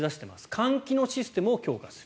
換気のシステムを強化する。